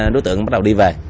đối tượng bắt đầu đi về